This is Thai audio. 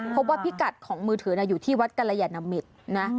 พิกัดของมือถืออยู่ที่วัดกรยานมิตรนะ